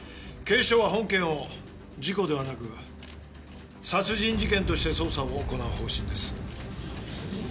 警視庁は本件を事故ではなく殺人事件として捜査を行う方針です。